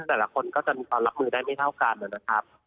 แต่ละคนก็จะรับมือได้ไม่เท่ากันนะครับ